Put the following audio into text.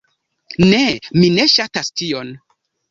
Ne! Mi ne ŝatas tion.